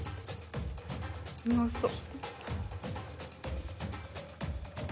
うまそっ。